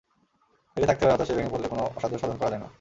লেগে থাকতে হয়, হতাশ হয়ে ভেঙে পড়লে কোনো অসাধ্যসাধন করা যায় না।